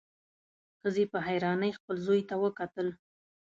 ښځې په حيرانۍ خپل زوی ته وکتل.